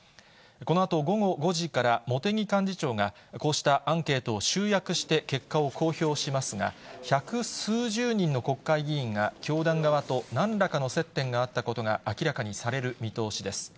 このあと午後５時から、茂木幹事長が、こうしたアンケートを集約して結果を公表しますが、百数十人の国会議員が、教団側となんらかの接点があったことが明らかにされる見通しです。